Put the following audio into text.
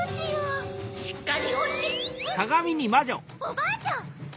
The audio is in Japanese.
おばあちゃん！